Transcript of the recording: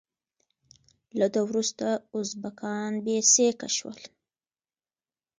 له ده وروسته ازبکان بې سیکه شول.